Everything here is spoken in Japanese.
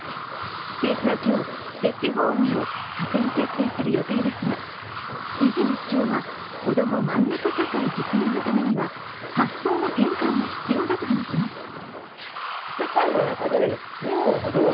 政府は今日、設置法案を閣議決定する予定ですが、泉市長は、こども真ん中社会実現のためには発想の転換が必要だと話します。